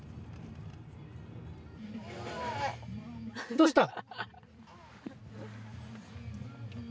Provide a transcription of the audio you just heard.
どうした？